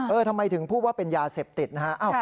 ทำไมถึงพูดว่าเป็นยาเสพติดนะฮะ